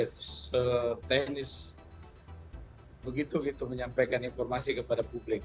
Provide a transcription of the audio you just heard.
tapi seteknis begitu begitu menyampaikan informasi kepada publik